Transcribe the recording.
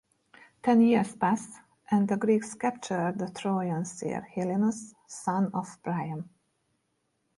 Ten years pass, and the Greeks capture the Trojan seer Helenus, son of Priam.